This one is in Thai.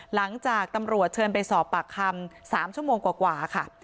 หลังจากตำรวจเชิญไปสอบปากคำ๓ชั่วโมงกว่าค่ะ